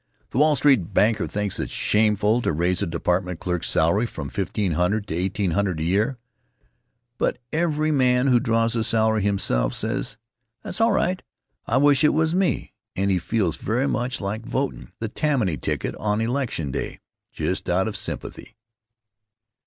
The Wall Street banker thinks it shameful to raise a department clerk's salary from $1500 to $1800 a year, but every man who draws a salary himself says: "That's all right. I wish it was me." And he feels very much like votin' the Tammany ticket on election day, just out of sympathy.